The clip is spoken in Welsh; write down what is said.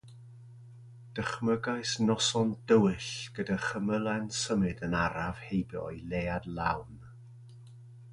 Dychmygais noson dywyll gyda chymylau'n symud yn araf heibio i leuad lawn.